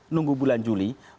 nunggu bulan juli